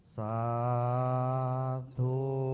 สาธุ